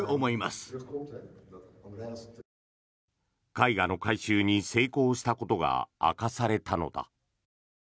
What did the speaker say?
絵画の回収に成功したことが明かされたのだ。